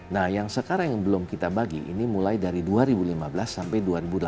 nah yang sekarang yang belum kita bagi ini mulai dari dua ribu lima belas sampai dua ribu delapan belas